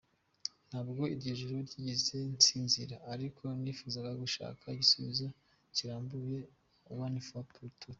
Ntabwo iryo joro nigeze nsinzira ariko nifuzaga gushaka igisubizo kirambuye une fois pour toute.